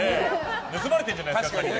盗まれてるんじゃないですか？